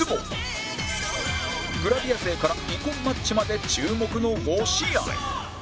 グラビア勢から遺恨マッチまで注目の５試合